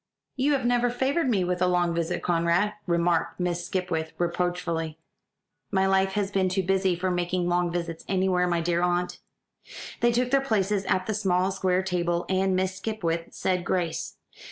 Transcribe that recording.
"You have never favoured me with a long visit, Conrad," remarked Miss Skipwith reproachfully. "My life has been too busy for making long visits anywhere, my dear aunt." They took their places at the small square table, and Miss Skipwith said grace.